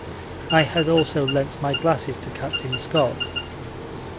I had also lent my glasses to Captain Scott.